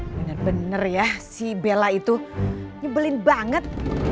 bener bener ya si bella itu nyebelin banget